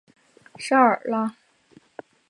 沙尔拉。